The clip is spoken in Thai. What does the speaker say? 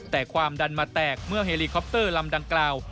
แต่ความดันมาแตกเมื่อเฮลีคอปเตอร์ลำดังกล่าว